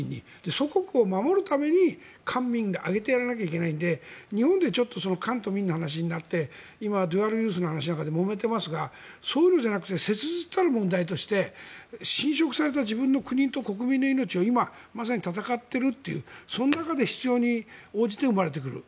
祖国を守るために官民を挙げてやらないといけないので日本で官と民の話になって今、デュアルユースの話なんかでもめていますがそういうのじゃなくて切実な問題として侵食された自分の国と国民の命を今まさに戦っているというその中で必要に応じて生まれてくる。